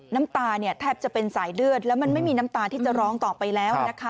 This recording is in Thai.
น้ำตาเนี่ยแทบจะเป็นสายเลือดแล้วมันไม่มีน้ำตาที่จะร้องต่อไปแล้วนะคะ